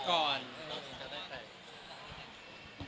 ก่อนแต่ได้ใคร